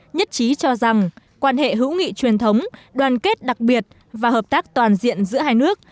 nhất trí cho rằng quan hệ hữu nghị truyền thống đoàn kết đặc biệt và hợp tác toàn diện giữa hai nước